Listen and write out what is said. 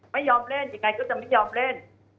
ไม่ยอมเล่นยังไงก็จะไม่ยอมเล่น